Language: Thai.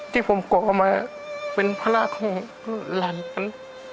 ที่ผมกลัวมาเป็นภาระของราชมัน